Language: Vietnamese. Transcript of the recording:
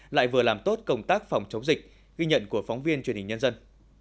lại vừa làm tốt công tác phòng chống dịch ghi nhận của phóng viên truyền hình nhân dân